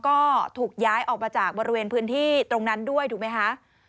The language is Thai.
ก็ถูกย้ายออกมาจากบริเวณพื้นที่ตรงนั้นด้วยถูกไหมคะ